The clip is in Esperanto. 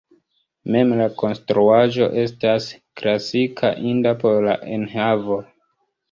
Mem la konstruaĵo estas klasika, inda por la enhavo.